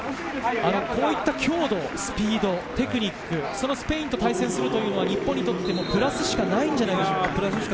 こういった強度、スピード、テクニック、スペインと対戦するのは日本にとってプラスしかないんじゃないですか。